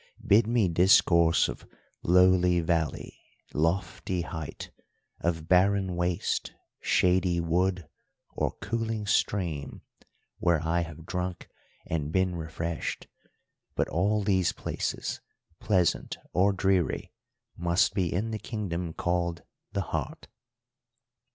Bid me discourse of lowly valley, lofty height, of barren waste, shady wood, or cooling stream where I have drunk and been refreshed; but all these places, pleasant or dreary, must be in the kingdom called the heart.